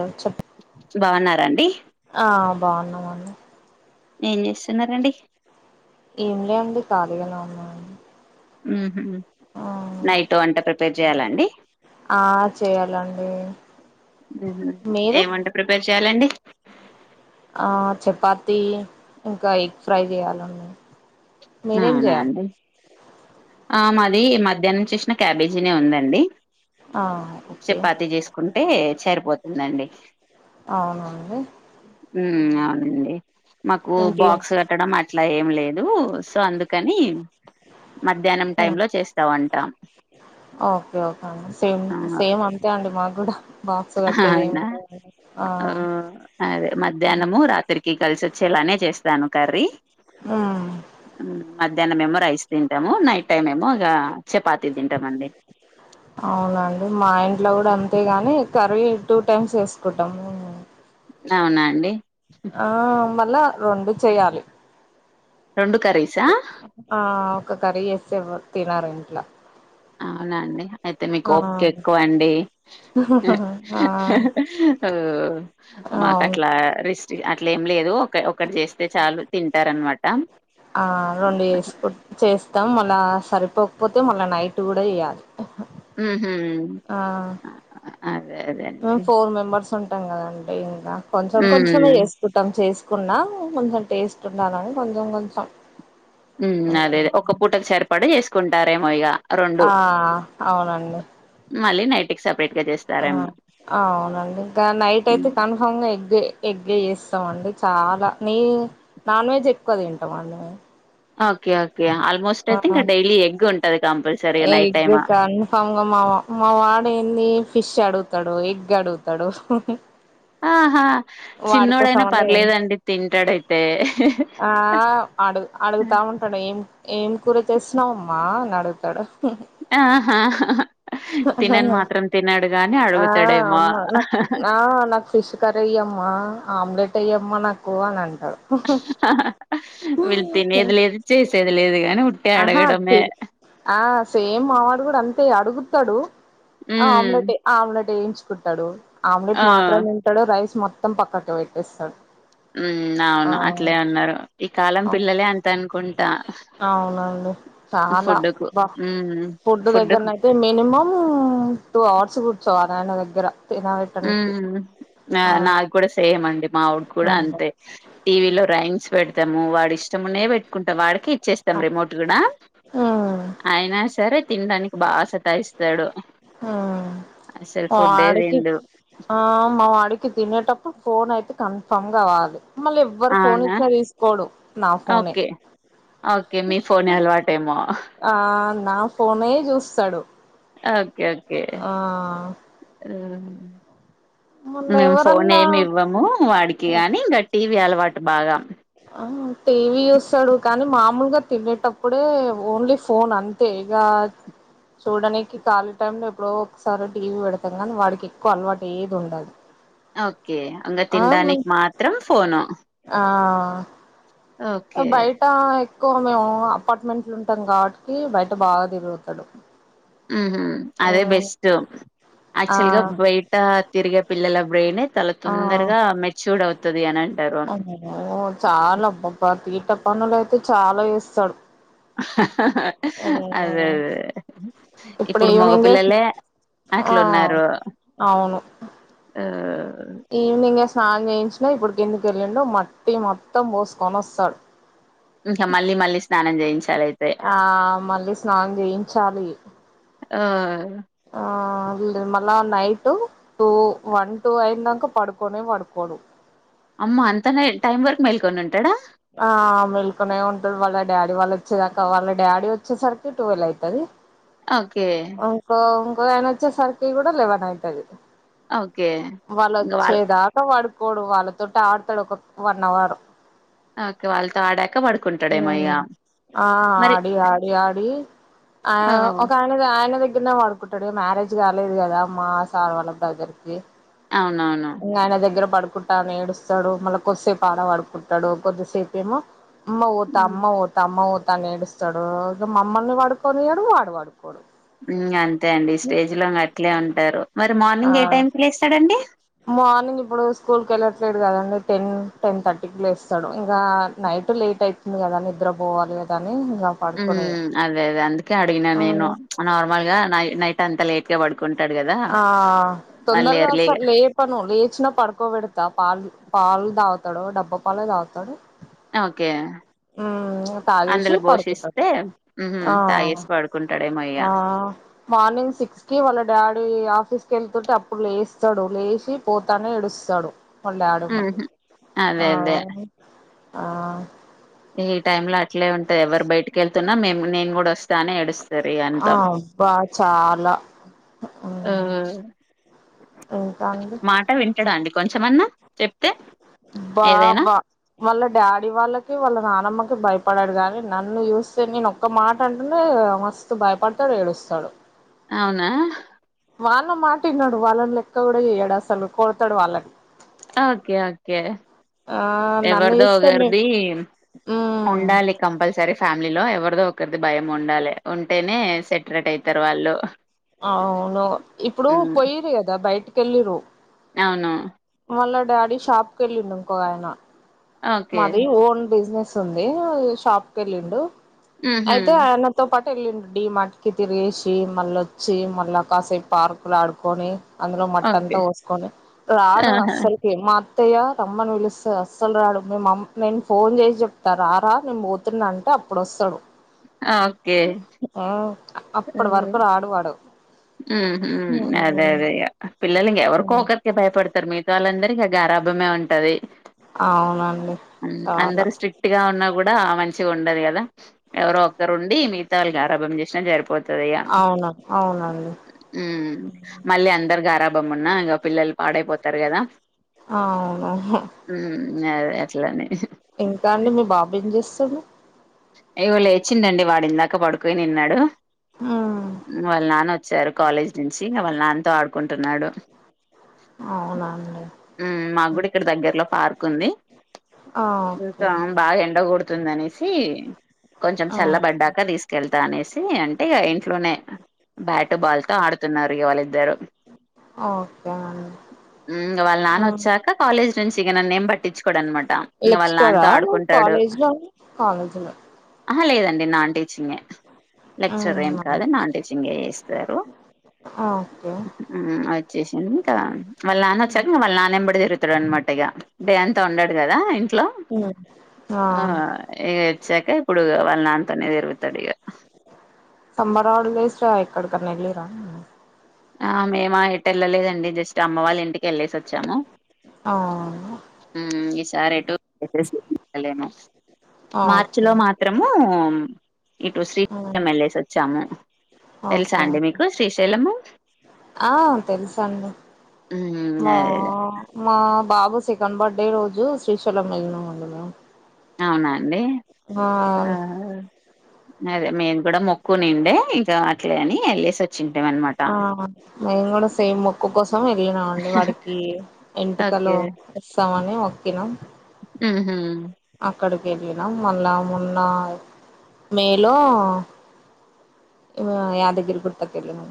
ఆ చెప్ బాగున్నారండి ఆ బాగున్నా మండి ఏం చేస్తున్నారండి ఏం లేండి ఖాళీగానే ఉన్నా ఉహుం నైట్ వంట ప్రిపేర్ చేయాలాండి ఆ చేయ్యాలండి ఏం వంట ప్రిపేర్ చెయ్యాలండి ఆ చపాతి ఇంకా ఎగ్ ఫ్రై చేయాలండి మీరేం అవునా చేయాలి అండి ఆ మాది మధ్యాహ్నం చేసిన క్యాబేజీనే ఉందండి. ఆ ఓకే అదే సరిపోతుందండి అవునా అండి ఉ అవునండి మాకు ఇంకేం బాక్స్ కట్టడం అట్లా ఏం లేదు సో అందుకని మధ్యాహ్నం టైమ్లో చేస్తా వంట ఓకే ఓకే అండి సేమ్ ఆ సేమ్ అంతే అండి మాకు కూడా. బాక్స్ కట్టేది ఏమి ఉండదండి ఆ ఓ అదే మధ్యాహ్నము రాత్రికి కలిసోచ్చేలానే చేస్తాను కర్రీ. ఆ ఉ మధ్యాహ్నం ఏమో రైస్ తింటాము నైట్ టైమ్ ఏమో ఇక చపాతి తింటామండి. అవునా అండి మా ఇంట్లో కూడా అంతే గాని కర్రీయే టూ టైమ్స్ వేసుకుంటాము మేము అవునా అండి ఆ మల్లా రెండు చేయాలి రెండు కర్రీసా ఆ ఒక కర్రీ చేేస్తే ఎవరు తినరు ఇంట్లా అవునా అండి అయితే మీకు ఓపిక ఎక్కువ అండి. ఓ ఆ మాకు అవును అట్లా రిస్టిగ అట్లా ఏం లేదు ఒకె ఒకటి చేస్తే చాలు తింటారు అనమా ఆ రెండు చేస్కు చేస్తాం మళ్ళా సరిపోకపోతే మళ్ళా నైట్ కూడా చేయాలి. ఉహు ఆ అదే అదే అండి కుంటాం కదండి ఇంకా కొంచెం కొంచమే ఉమ్ చేేసుకుంటాం చేసు కున్నా కొంచెం టేస్ట్ ఉండాలని కొంచెం కొంచెం ఉమ్ అదేదే ఒక్క పూటకు సర్పడా చేసుకుంటారేమో ఇగా. ఆ అవునండి మళ్ళి నైట్కి సప్ ఆ అవునండి ఇంకా నైట్ అయితే కన్ఫామ్గా ఎగే ఎగ్గే చేస్తామండి చాలా నీ నాన్ వెజ్ ఎక్కువ తింటామండి మేము. ఓకే ఓక్ కే ఆల్మోస్ట్ ఆ అయితే ఇంకా డైలీ ఎగ్ ఉంటది కంపల్సరీగా నైట్ ఎగ్ టైము. ఆడు ఎన్ని ఫిష్ అడుగుతాడు ఎగ్ అడుగుతాడు హు హు ఆ హా చిన్నోడైనా అన్నా పర్లేదండి తింటాడైతే కుంటాడు ఏం ఏం కూర చేసినవమ్మా అని అడుగుతాడు హు ఆహా తినన్ మాత్రం తినడ్ ఆ అమ్మా నాక్ ఆ నాకు ఫిష్ కర్రీ వేయ్యి అమ్మా ఆమ్లెట్ వేయ్యమ్మా నాకు అని అంటాడు ఉహు వీళ్ళు తినేది లేదు చేసేది లేదు గాని ఉట్టే ఆహా అడగడమే. ఆ సేమ్ మా వాడ్ కూడా అంతే అడుగుతాడు ఆ హ్మ్. ఆమ్లెటే ఆ ఆమ్లెట్ యేయించుకుంటాడు. ఆమ్లెట్ ఆ! మాత్రం తింటాడు రైస్ మొత్తం పక్కకి పెట్టేస్తాడు ఉ ఆ అవును అట్లే ఉన్నారు ఈ కాలం అవు పిల్లలే అంతే అనుకుంటా అవునండి చాలా ఫుడ్‌కు. బా హ్మ్. ఫుడ్ ఫుడ్‌కు దగ్గరనయితే మినిమం టూ అవర్స్ కూర్చోవాలే ఆయన దగ్గర ఉ తినబెట్టడానికి ఆ నాది కూడా సేమ్ అండి మావోడు కూడా అమ్మో అంతే టీవీలో రైమ్స్ పెడతము వాడు ఇష్టమున్నే పె ఇంకా వాడికే ఇచ్చేస్తాం ఆ రిమోట్ కూడా ఉమ్ అయినా సరే తినడానికి బాగా సతాయిస్తాడు ఉమ్ అసలు మా ఫుడ్ ఏ వాడికి తినడు ఆ మా వాడికి తినేటప్పుడు ఫోన్ అయితే కన్ఫర్మ్ కావాలి మళ్ళ ఎవ్వరు ఫోన్ అవునా ఇచ్చిన తీసుకోడు నా ఫోనే ఓకే ఓకే మీ ఫోనే అలవాటేమో ఆ నా ఫోనే చూస్తడు ఓకే ఓకే మళ్ళ మేము ఫోన్ ఎవరన్నా ఏమి ఇవ్వము వాడికి ఆ కాని ఇంగా టీవీ అలవాటు బాగా ఆ టీవీ చూస్తాడు కానీ మామూలుగా తినేటప్పుడే ఓన్లీ ఫోన్ అంతే ఇగ చూడడనికి కాలీ టైమ్ లో ఎప్పుడో ఒకసారి టీవీ పెడతాం కానీ వాడికి ఎక్కువ అలవాటు ఏది ఉండదు ఓకే ఇంగా ఆ మ తింటనికి మాత్రం ఫోను ఆ ఓకే బయటా ఏ ఎక్కువ మేము అపార్ట్మెంట్లు ఉంటాం కాబట్టి బయట బాగా తిరుగుతడు ఉహు అదే బెస్ట్ ఆ యాక్చువల్ గా బయట తిరిగే పిల్లల బ్రెయిన్ చాలా ఆ తొందరగా మెచ్యూర్డ్ అవుతది అని అంటారు [unintelligible] చాలా అబ్బా తిట పనులు అయితే చాలా చేస్తడు హహహ అదేదే ఇప్పుడు మగపిల్లలే ఆ అట్లున్నారు ఆ ఏంది ఇంగా స్నానం చేయించినా ఇప్పుడు కిందికి ఎలిన్డు మట్టి మొత్తం పోసుకొని వస్తాడు ఇంకా మళ్ళీ మళ్ళీ స్నానం చేయించి ఆ మళ్ళీ స్నానం చేయించాలి ఆ ఆ మళ్ళా నైట్ టూ వన్ టు అయిన దాక పడుకోనే పడుకోడు అమ్మ అంత నైట్ టైం వరకు మెల్కొని ఉంటడా ఆ మెల్కొనే ఉంటడు వాళ్ళ డాడీ వాళ్ళు వచ్చేదాకా వాళ్ళ డాడీ వచ్చేసరికి టూవెల్ అయితది ఓకే ఇంకో ఇంకో ఆయన వచ్చేసరికి కూడా లేవన్ అయితది ఓకే వాళ్ళు ఇంక వాళ్ళ వచ్చేదాకా పడు కోడు వాళ్ళతోటి ఆడతడు ఒక వన్ అవర్ ఓకే వాళ్ళతో ఆడాక పడుకుంటాడేమో ఇగ ఆ మరి ఆడి ఆడి ఆడి ఆ ఒక ఆయన ఆయన కింద పడుకుంటాడు మ్యారేజ్ కాలేదు కదా మా సార్ వాళ్ళ బ్రదర్ కి అవునవును పడుకుంటా ఏడుస్తాడు మళ్ళా కొద్దిసేపు ఆడ పడుకుంటడు కొద్దిసేపు ఏమో అమ్మ ఊతా అమ్మ ఊతా అమ్మ ఊతా అని ఏడుస్తాడు ఇక మమ్మల్ని పడుకొనియడు వాడు పడుకోడు ఉమ్ అంతే అండి ఈ స్టేజ్లో అట్లే ఉంటారు మరి ఆ మార్నింగ్ ఏ టైం కి లేస్తాడండి మార్నింగ్ ఇప్పుడు స్కూల్ వెళ్ళ లేదు కదండి టెన్ టెన్ థర్టీకి లేస్తడు ఇగా నైట్ లేట్ అయితది కదాని నిద్ర పోవాలి కదా అన్ ఉమ్మ్ అదే అదే అందుకే అడిగిన నేను అవును ప్చ్ నార్మల్గా నై నైట్ అంతా లేట్గా పడు ఆ తొందరగా ఎర్లీగా అస్సల్ లేపను లేచినా పడుకోబెడు తా పాలు పాలు తాగుతాడు డబ్బా పాలే తాగుతాడు ఓకే ఉమ్ ఇంగా కాల్ జేసి అందులో పడుకుంటా పోషిస్తే నేను ఉహు తాగేసి పడుకుంటాడేమో ఇగ మార్నిం గ్ సిక్స్ కి వాళ్ళన్ డాడీ ఆఫీస్ కి వెళ్తుంటే అప్పుడు లేస్తాడు లేచి పోతానే ఏడుస్తాడు వాళ్ళ్ డాడి ఎమ్మటి ఉహు అదే అదే ఈ టైమ్ లో అట్లే ఉంటది ఎవరు బయటికి వెళ్తున్నా మేము నేను కూడా వస్తా అని ఎడుస్ ఆ అబ్బా చాలా ఆ మ్మ్ ఇంకా అండి మాట వింటడా అండి కొంచెమన్నా చెప్ బా బా వాళ్ళ డాడీ వాళ్ళకి వాళ్ళ నానమ్మ భయపడడు గానీ నన్ను చూస్తే నేను ఒక్క మాట అంటేనే మస్తు భయపడతాడు ఏడుస్తాడు. అవునా వాళ్ళ మాట వినడు వాళ్ళని లెక్క కూడా చెయ్యడు అస్సలు కొడుతాడు వాళ్ళని ఓకే ఓకే ఆ నన్ను ఎవరిదో చూస్తే నేను ఒకరిది మ్మ్ ఉండాలి కంపల్సరీ ఫ్యామ్ మిలో ఎవరిదో ఒకరిది భయం ఉండాలి ఉంటేనే సెటరేట్ అవుతారు వాళ్ళు అవును ఇప్పుడు పోయిర్రు కదా బయటికి వెళ్ళిరు అవునా వాళ్ళ డాడీ షాప్ కి వెళ్ళిండు ఇంకోక ఆయన ఓకే మాది ఓన్ బిజినెస్ తుంది షాప్ కి వెళ్ళిండు ఊహూ అయితే ఆయనతో పాట్ వెళ్ళిండు డీ మార్ట్ కి తిరిగేసి మళ్ళ వచ్చి మళ్ళీ కాసేపు పార్కులు ఆడుకొని అందులో మట్టంతా ఓకే పోసుకొని రాడు ఆహా! అస్సలుకి మా అ త్తయ్య రమ్మను విలుస్తది అస్సలు రాడు మేమమ్ నేను ఫోన్ చేసి చెప్తా రా రా నేన్ పోతున్నా అంటే అప్పుడు వస్సాడు ఓకే అప్పుడు వరకు రాడువాడు ఉమ్ హుమ్ అదే అదే ఇగ పిల్లలు ఎవరికో ఒకరికి భయపడతారు మిగతా వాళ్ళందరికి గారాభమే ఉంటది అవునండి చాలా అందరు ఉమ్ స్ట్రిక్ట్ గా ఉన్నా కూడా ఆ మం చిగా ఉండదు కదా ఎవరో ఒక్కరుండి మిగతా వాళ్ళు గారాబం చేసినా సరిపో అవునా అవున్ ఉమ్ మళ్ళీ అందరు గారాభం ఉన్నా ఇంగ పిల్లలు పాడైపోతారు కదా అవును హ్మ్ ఇంగ అదే అట్లనే ఇంకా అండి మీ బాబేం జేస్సుండు ఇగో లేచిండండి వాడు ఇందాక పడుకొనిన్నాడు హ్మ్ వాళ్ళ నాన్న వ చ్చారు కాలేజ్ నుంచి ఇంగ వాళ్ళ నాన్నతో ఆడుకుంటున్నాడు అవునా అండి ఉమ్ మాక్కూడా ఇక్కడ దగ్గరలో పార్క్ ఉంది ఆ ఓకే ఇంకా బాగా ఎండ కొడుతుంది అనేసి కొంచెం ఆ ఓకే చల్లబడ్డాక తీసుకెళ్తా అనేసి అంటే ఇంట్లోనే బ్యా ట్ బాల్ తో ఆడుతున్నారు ఇగ వాళ్ళిద్దరు ఓకే అం మ్మ్ ఇగ వాళ్ళ నాన్న వచ్చాక కాలేజ్ నుంచి ఇగ నన్ను ఏమ్ పట్టించుకోడు అనమాట ఇంగ వాళ్ళ లెక్చరరా నాన్నతో ఆడుకుంటాడు. కాలేజ్ లో కాలేజ్ లో ఆహా లేదండి నాన్ టీచింగే లెక్చరర్ హ్మ్ ఏం కాదు అవును. నాన్ టీచింగ్ ఇస్తారు ఓకే ఉమ్ వచ్చేసింది ఇంకా వాళ్ళ నాన్న హ్మ్ వచ్చారని వాళ్ళ నాన్న ఎమ్మట తిరుగుతాడు అన్నమాట అంత ఉండడు కదా ఇంట్లో హ్మ్. ఆ క ఇప్పుడు వాళ్ళ నాన్నతోనే తిరుగుతాడు ఇక సమ్మర్ హాలిడేస్ లో ఎక్కడికన్నా వేళ్ళిరా ఆ మేమా ఎటు వెళ్ళలేదండి అమ్మ వాళ్ళ ఇంటికి వెళ్ళేసి వచ్చాము ఆ ఈసారిెటు మార్చి ఓకే లో మాత్రము ఇటు హ్మ్ శ్రీశైలం వెళ్ళేసి వచ్చాము తెలుసా అండి మీకు శ్రీశైలము ఆ తెలుసండి మ్మ్ మా అదే అదే మా బాబు సెకండ్ బర్త్ డే రోజు శ్రీశైలం వెళ్ళినాం అండి మేము అవునాండి ఆ అదే మేము కూడా మొక్కుఉనిండే ఇక అట్లే అని వెళ్ళసి వచ్చి ఆ మేము కూడా సేమ్ మొక్కు కోసం వెళ్ళినాం అండి వాడికి ఎంటుకలు ఓకే ఇస్తామని మోక్కినాం ఉహు అక్కడికి వెళ్ళినాం మళ్ళా మొన్న మేలో యాదగిరిగుట్ట కి వేళ్ళినాం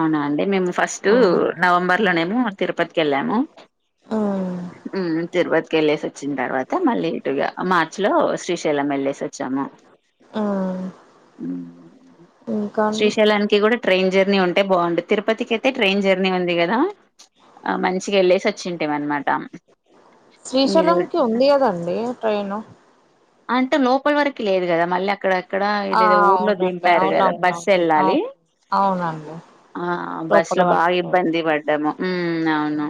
అవునా అండి మేము ఫస్ట్ నవంబర్ లోనేమో తిరుపతికి వెళ్ళాము ఆ ఉమ్ తిరుపతి కి వెళ్ళేసి వచ్చిన తర్వాత మళ్ళీ ఇటుగా మార్చి లో శ్రీశైలం వెళ్ళేసి వచ్చి ము ఆ ఇంకా అండి శ్రీశైలానికి కూడా ట్రై న్ ఉండి ఉంటే బాగున్ను తిరుపతికి అయితే ట్రైన్ జర్నీ ఉంది కదా ఆ మంచిగా వెళ్ళేసి వచ్చింటేమ అన్నమాట శ్రీశైలం కి ఉంది కదండి ట్రైను అంటే లోపల వరకు లేదు కదా మళ్ళీ అక్కడ ఇక్కడ ఆ ఏదేదో ఊర్లో అవునండి దింపారు కదా బస్ వెళ్ళాలి అవునాండి బాగా ఇబ్బంది పడ్డాము. హ్మ్. అవును.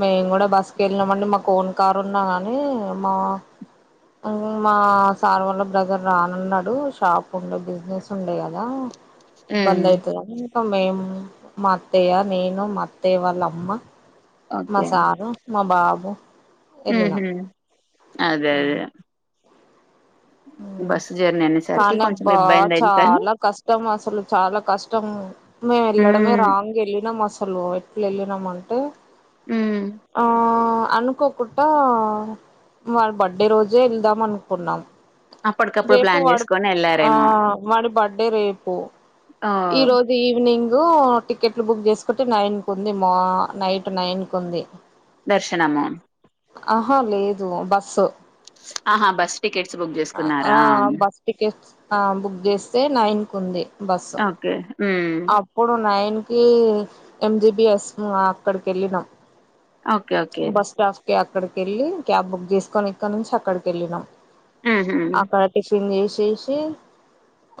మేము కూడా బస్ కి వెళ్ళినామండి మాకు ఇన్ కారుఉన్న కానీ మా మా సార్ వాళ్ళు బ్రదర్ రానన్నరు షాప్ ఉండే బిజినెస్ ఉండే కదా ఇబ్బంది హ్మ్. అయితదని మొత్తం మేము మా అత్తయ్యా నేను మాఅత్తయ్యవాళ్ళమ్మ మా సారు మా బాబు వెళ్ళినాం ఉహు అదే అదే బస్ జ కానీ అబ్బా చాలా కష్టం అసలు చాలా కష్టం మేము వెళ్ళడమే హ్మ్ రాంగ్ వెళ్ళినాం అసలు ఎట్లు వెళ్ళినామంటే హ్మ్ ఆ అనుకోకుండా వాళ్ళ బర్త్ డే రోజే వెళ్దాం అనుకున్నాం అప్పటికప్పుడు రేపు ప్లాన్ వాడు చేసుకొని ఆ ఎళ్ళారేమో వాడి బర్డే రేపు ఓ ఈరోజు ఈవినింగ్ ఇనింగ్ టికెట్లు బుక్ చేసుకుంటే నైన్ కు ఉంది నైట్ నైన్ కు ఉంది దర్శనమా ఆహా లేదు బస్సు ఆహా బస్ టికెట్స్ బుక్ ఆ చేసుకున్నారా బస్ టికెట్ ఆ బుక్ చేస్తే నైన్ కు ఉంది బస్సు ఓకే హ్మ్ అప్పుడు నైన్ కి ఎంజిబిఎస్ అక్కడికి వెళ్ళినాం ఓకే ఓకే అక్కడికిళ్ళి క్యాబ్ బుక్ చేసుకొని ఇక్కడ నుంచి అక్కడికి వెళ్ళినాం ఊహూ అక్కడ టిఫిన్ చేసేసి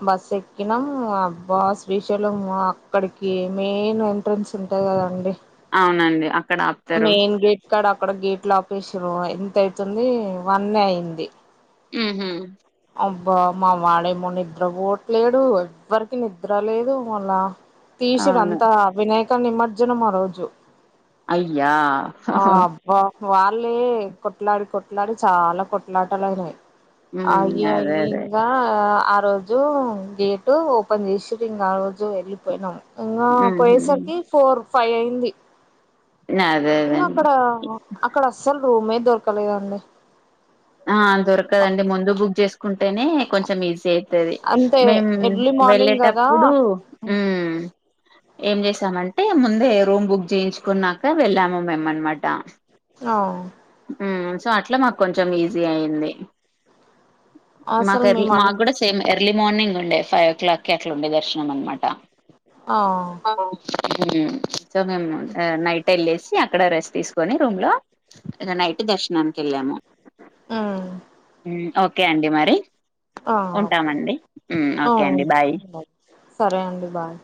బస్ ఎక్కినాం అబ్బా శ్రీశైలం అక్కడికి మెయిన్ ఎంట్రెన్స్ ఉంటది కదండి అవునండి అక్కడ ఆపుతారు మెయిన్ గేట్ కాడ అక్కడ గేట్ లో ఆపేసిల్లు ఎంత అయితుంది వన్నె అయింది ఉహు అబ్బా మా వాడేమో నిద్ర పోట్లేడు ఎవ్వరికి నిద్ర లేదు మళ తీసుడు అవును అంత వినాయక నిమజ్జనం ఆ రోజు అయ్యా ఆ హ అబ్బా వాళ్ళే కొట్లాడి కొట్లాడి చాలా కొట్లాటలైనయి హ్మ్ అవి అయ అదే అదే ఇంకా ఆ రోజు గేట్ ఓపెన్ చేసి ఇంకా ఆ రోజు వెళ్ళిపోయినాం ఇంకా ఊహూ పోయేసరికి ఫోర్ ఫైవ్ అయింది అదే అదే ఇంకా అండి అక్కడ అక్కడ అస్సలు రూమే దొరకలేదండి ఆ దొరకదండి ముందు బుక్ చేసుకుంటేనే కొంచెం ఈజీ అవు తది అంతే మేము ఎర్లీ మార్నింగ్ కదా వెళ్ళేటప్పుడు ఏం చేసామంటే ముందే రూమ్ బుక్ చేయించుకున్నాక వెళ్ళాము మేము అనమాట ఆ ఉమ్మ్ సో అట్లా మాకు కొంచెం ఈజీ అయింది మాకు అసలు ఎర్లీ మేము మాకు అనుకు కూడా సేమ్ ఎర్లీ మార్నింగ్ ఉండే ఫైవ్ ఓ క్లాక్ కి అట్లా ఉండే దర్శనం అనమాట ఆ ఉం సో మేము నైట్ వెళ్ళసి అక్కడ రెస్ట్ తీసుకొని రూమ్ లో నైట్ దర్శనానికి వెళ్ళాము ఆ ఓకే అండి మరి ఓకే ఉంటామండి ఆ ఓకే అండి బాయ్ సరే అండి బాయ్